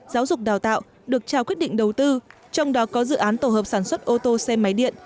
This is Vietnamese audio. giáo dục đào tạo được trao quyết định đầu tư trong đó có dự án tổ hợp sản xuất ô tô xe máy điện